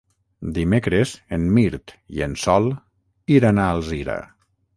Dimecres en Mirt i en Sol iran a Alzira.